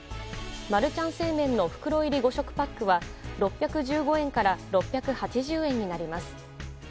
マルちゃん正麺の袋入り５食パックは６１５円から６８０円になります。